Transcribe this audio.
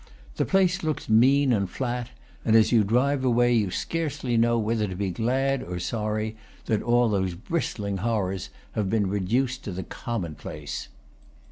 The place looks mean and flat; and as you drive away you scarcely know whether to be glad or sorry that all those bristling horrors have been reduced to the commonplace.